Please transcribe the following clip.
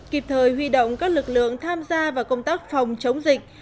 kịp thời huy động các lực lượng tham gia vào công tác phòng chống dịch